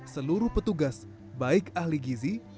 seluruh petugas baik ahli gizi